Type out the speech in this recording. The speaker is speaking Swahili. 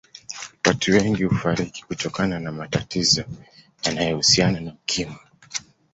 Watu wengi hufariki kutokana na matatizo yanayohusiana na Ukimwi